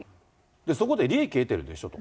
そこで利益得てるでしょと。